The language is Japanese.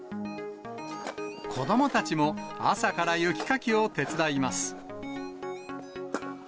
子どもたちも、朝から雪かきを手伝います。